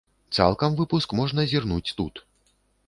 Цалкам выпуск можна зірнуць тут.